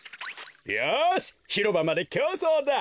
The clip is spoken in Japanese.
よしひろばまできょうそうだ！